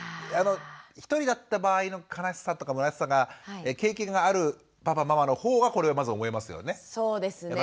ひとりだった場合の悲しさとかむなしさが経験があるパパママのほうがこれをまず思いますよね。